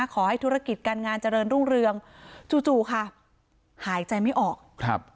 ขอให้ธุรกิจการงานเจริญรุ่งเรืองจู่จู่ค่ะหายใจไม่ออกครับ